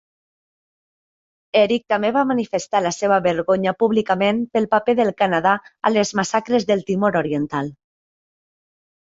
Eric també va manifestar la seva vergonya públicament pel paper del Canadà a les massacres de Timor Oriental.